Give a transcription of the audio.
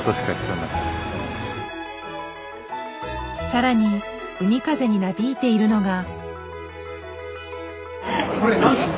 更に海風になびいているのが。